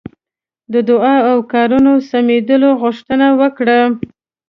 د دعا او کارونو سمېدلو غوښتنه وکړه.